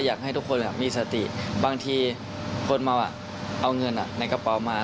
อยากให้ทุกคนมีสติบางทีคนเมาเอาเงินในกระเป๋ามา